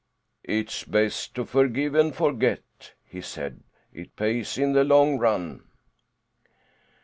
"It's best to forgive and forget," he said. "It pays in the long run."